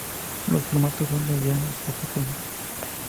Los formatos son medianos o pequeños.